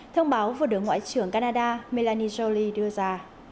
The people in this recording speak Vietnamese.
thông báo vừa được ngoại trưởng canada melani jolie đưa ra